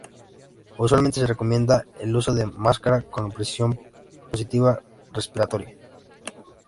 Usualmente se recomienda el uso de una máscara con presión positiva respiratoria.